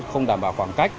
không đảm bảo khoảng cách